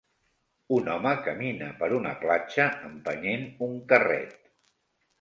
Un home camina per una platja empenyent un carret.